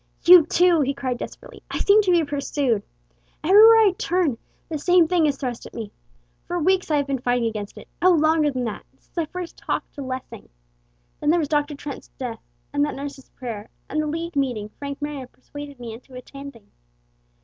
"You, too!" he cried desperately. "I seem to be pursued. Every way I turn, the same thing is thrust at me. For weeks I have been fighting against it O, longer than that since I first talked to Lessing. Then there was Dr. Trent's death, and that nurse's prayer, and the League meeting Frank Marion persuaded me into attending.